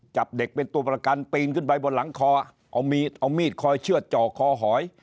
จับเด็กเป็นตัวประกันปีนขึ้นไปบนหลังคอเอามีดคอยเชื่อดจ่อคอหอย